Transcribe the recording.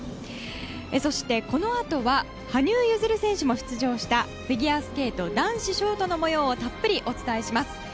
そして、このあとは羽生結弦選手も出場したフィギュアスケート男子ショートの模様をたっぷりお伝えいたします。